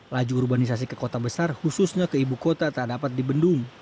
laju urbanisasi ke kota besar khususnya ke ibu kota tak dapat dibendung